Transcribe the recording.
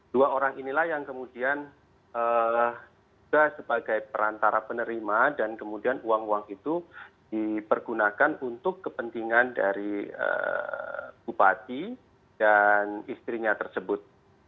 dua orang inilah yang kemudian juga sebagai perantara penerima dan kemudian uang uang itu dipergunakan untuk kepentingan dari bupati dan istrinya tersebut